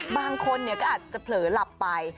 บางคนก็อาจจะเผลอหลับไป